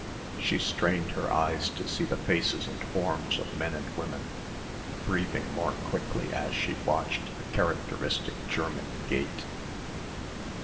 She strained her eyes to see the faces and forms of men and women breathing more quickly as she watched the characteristic German gait.